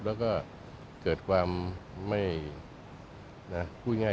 แล้วก็เกิดความไม่พูดง่าย